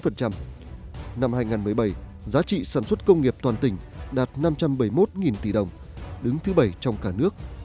năm hai nghìn một mươi bảy giá trị sản xuất công nghiệp toàn tỉnh đạt năm trăm bảy mươi một tỷ đồng đứng thứ bảy trong cả nước